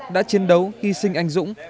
đã chiến đấu hy sinh anh dũng